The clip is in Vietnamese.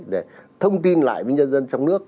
để thông tin lại với nhân dân trong nước